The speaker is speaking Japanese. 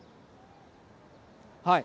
はい。